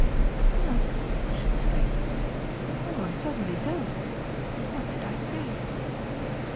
"A snub!" she exclaimed. "No, I certainly don't. What did I say?"